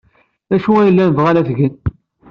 D acu ay llan bɣan ad t-gen?